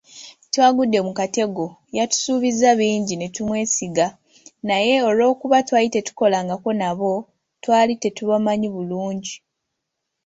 Twagudde mu katego, yatusuubiza bingi ne tumwesiga, naye olw'okuba twali tetukolangako nabo, twali tetubamanyi bulungi.